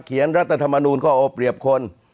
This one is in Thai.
เขียนรัฐธรรมนุนก็อบเหลียบคน